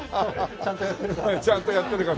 ちゃんとやってるか。